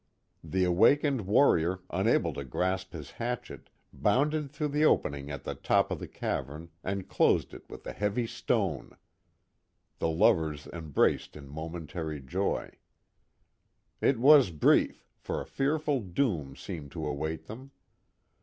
The awakened warrior, unable to grasp his hatchet, bounded through the opening at the top of the cavern, and closed it with a heavy stone. The lovers embraced in momentary joy. It was brief, for a fearful doom seemed to await them.